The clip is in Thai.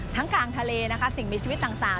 กลางทะเลนะคะสิ่งมีชีวิตต่าง